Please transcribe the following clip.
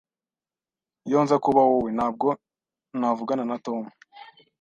Iyo nza kuba wowe, ntabwo navugana na Tom.